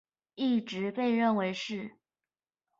一直被認為是